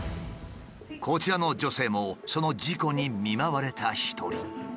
こちらの女性もその事故に見舞われた一人。